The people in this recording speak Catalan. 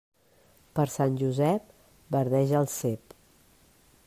Per Sant Josep, verdeja el cep.